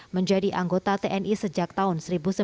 menjadi anggota tni sejak tahun seribu sembilan ratus sembilan puluh